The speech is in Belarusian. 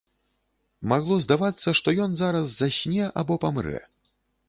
Магло здавацца, што ён зараз засне або памрэ.